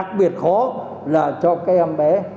đặc biệt khó là cho cái em bé